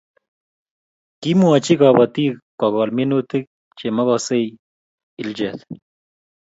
Kimwochi kobotik kogol minutik che mokosei ilchet